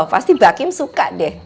pasti mbak kim suka deh